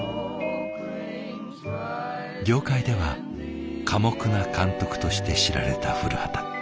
業界では寡黙な監督として知られた降旗。